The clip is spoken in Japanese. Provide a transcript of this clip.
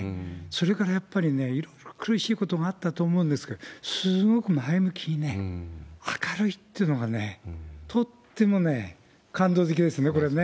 それから、やっぱりね、いろいろ苦しいことがあったと思うんですけど、すごく前向きにね、明るいっていうのがね、とっても感動的ですね、これね。